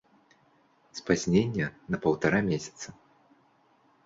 Спазненне на паўтара месяца.